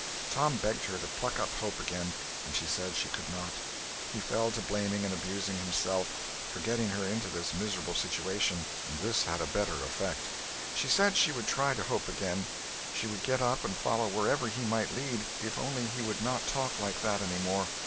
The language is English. Tom begged her to pluck up hope again, and she said she could not. He fell to blaming and abusing himself for getting her into this miserable situation; this had a better effect. She said she would try to hope again, she would get up and follow wherever he might lead if only he would not talk like that any more.